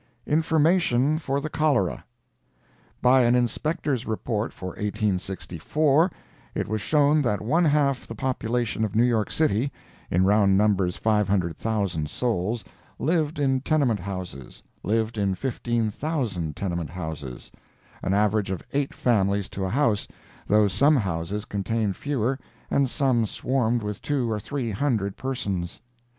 INFORMATION FOR THE CHOLERA By an Inspector's report for 1864, it was shown that one half the population of New York city—in round numbers 500,000 souls—lived in tenement houses—lived in 15,000 tenement houses—an average of eight families to a house, though some houses contained fewer and some swarmed with two or three hundred persons.